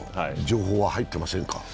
情報は入ってませんか？